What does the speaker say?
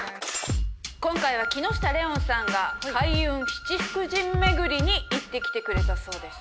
今回は木下レオンさんが開運七福神巡りに行ってきてくれたそうです。